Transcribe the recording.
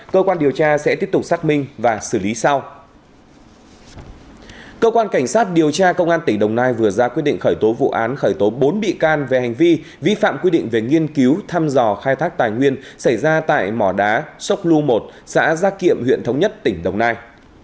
cơ quan cảnh sát điều tra công an tỉnh đồng nai vừa ra quyết định khởi tố vụ án khởi tố bốn bị can về hành vi vi phạm quy định về nghiên cứu thăm dò khai thác tài nguyên xảy ra tại mỏ đá sóc lu một xã gia kiệm huyện thống nhất tỉnh đồng nai